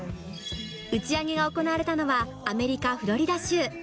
打ち上げが行われたのは、アメリカ・フロリダ州。